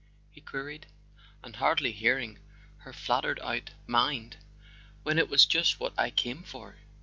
he queried; and hardly hearing her faltered out: "Mind? When it was what I came for!"